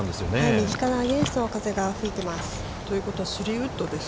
◆右からアゲインストの風が吹いてます。